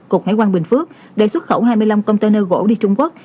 cục hải quan bình phước đã xuất khẩu hai mươi năm container gỗ đi trung quốc